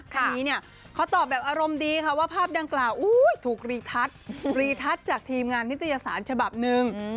ทีนี้เขาตอบแบบอารมณ์ดีว่าภาพดังกล่าวถูกรีทัศน์จากทีมงานนิตยสารฉบับหนึ่ง